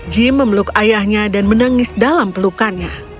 jim memeluk ayahnya dan menangis dalam pelukannya